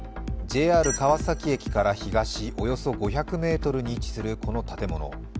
ＪＲ川崎駅から東およそ５００ｍに位置するこの建物。